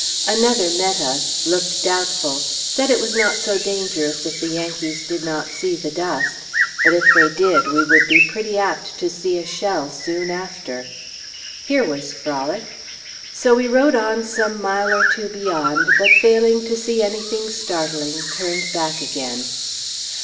Another met us; looked doubtful, said it was not so dangerous if the Yankees did not see the dust; but if they did, we would be pretty apt to see a shell soon after. Here was frolic! So we rode on some mile or two beyond, but failing to see anything startling, turned back again.